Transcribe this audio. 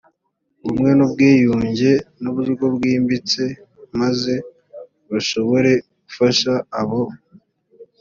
ubumwe n ubwiyunge mu buryo bwimbitse maze bashobore gufasha abo